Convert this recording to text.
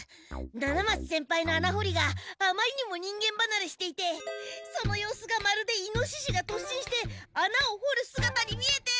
七松先輩のあなほりがあまりにも人間ばなれしていてその様子がまるでイノシシがとっしんしてあなをほる姿に見えて！